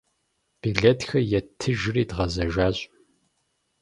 Билетхэр еттыжри дгъэзэжащ.